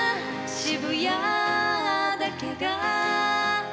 渋谷だけが」